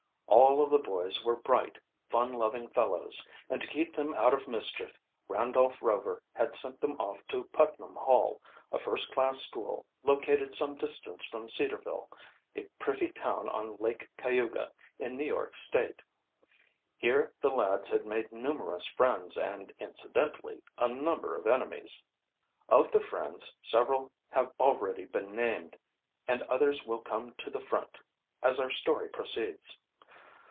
All of the boys were bright, fun loving fellows, and to keep them out of mischief Randolph Rover had sent them off to Putnam Hall, a first class school, located some distance from Cedarville, a pretty town on Lake Cayuga, in New York State. Here the lads had made numerous friends and incidentally a number of enemies. Of the friends several have already been named, and others will come to the front as our story proceeds.